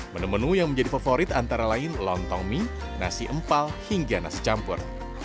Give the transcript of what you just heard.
menu menu yang menjadi favorit antara lain lontong mie nasi empal hingga nasi campur